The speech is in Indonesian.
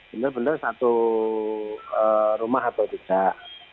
benar benar satu rumah atau tidak